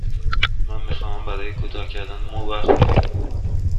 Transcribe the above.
من می خواهم برای کوتاه کردن مو وقت بگیرم.